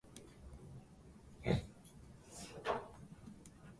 君は写真集に視線を落として、僕はぼんやりと生垣を眺める